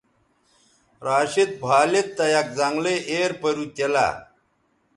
راشد بھالید تہ یک زنگلئ ایر پَرُو تیلہ